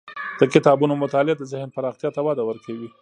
د کتابونو مطالعه د ذهن پراختیا ته وده ورکوي.